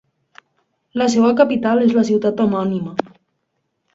La seva capital és la ciutat homònima.